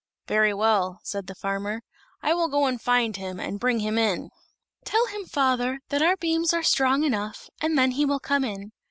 "Very well," said the farmer; "I will go and find him, and bring him in." "Tell him, father, that our beams are strong enough, and then he will come in.